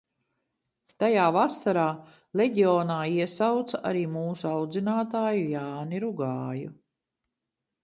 Tajā vasarā leģionā iesauca arī mūsu audzinātāju Jāni Rugāju.